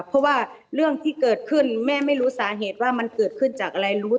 เพราะว่าเรื่องที่เกิดขึ้นแม่ไม่รู้สาเหตุว่ามันเกิดขึ้นจากอะไรรู้